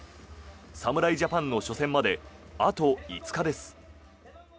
侍ジャパンの初戦まであと５日です。